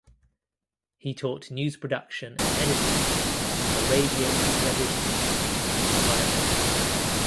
He taught news production and editing at the Radio and Television Institute in Cairo.